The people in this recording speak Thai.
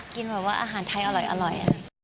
แบบว่าอาหารไทยอร่อย